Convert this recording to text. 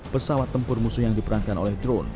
pesawat tempur musuh yang diperankan oleh drone